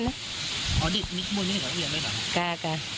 ้อนี่พูดนี้ต้องเรียนเพราะ